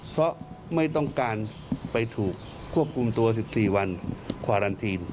เพราะไม่ต้องการไปถูกควบคุมตัว๑๔วันควารันทีน